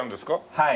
はい。